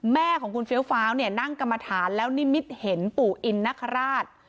แม่ของคุณเฟี้ยวฟ้าวเนี่ยนั่งกรรมฐานแล้วนิมิตเห็นปู่อินนคราช